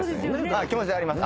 気持ちはあります。